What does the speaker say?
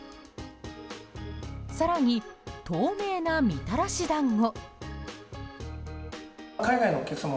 更に、透明なみたらしだんご。